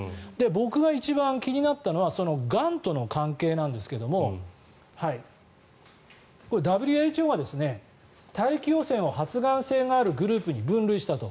僕が一番気になったのはがんとの関係なんですけどもＷＨＯが、大気汚染を発がん性があるグループに分類したと。